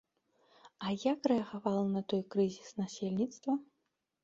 А як рэагавала на той крызіс насельніцтва?